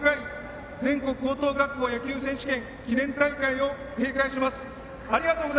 これで第１０５回全国高等学校野球選手権記念大会を閉会します。